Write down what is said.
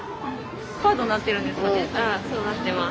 そうなってます。